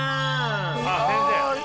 あっ先生。